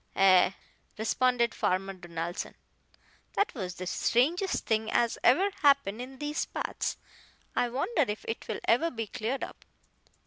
"Ay," responded Farmer Donaldson, "that was the strangest thing as ever happened in these parts. I wonder if it will ever be cleared up."